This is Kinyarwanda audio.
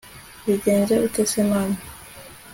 bigenze ute se mama